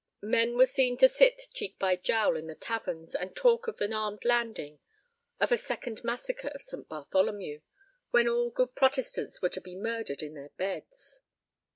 Men were seen to sit cheek by jowl in the taverns, and talk of an armed landing, of a second Massacre of St. Bartholomew, when all good Protestants were to be murdered in their beds.